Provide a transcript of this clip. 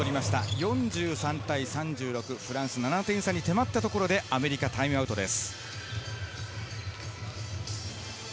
４３対３６、フランスが７点差に迫ったところでアメリカ、タイムアウトです。